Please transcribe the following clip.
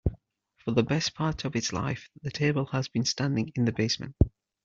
For the best part of its life, the table has been standing in the basement.